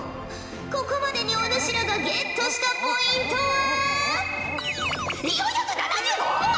ここまでにお主らがゲットしたポイントは４７５ほぉ！？